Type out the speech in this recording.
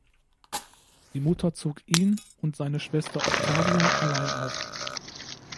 Die Mutter zog ihn und seine Schwester Octavia allein auf.